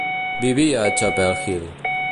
Vivia a Chapel Hill.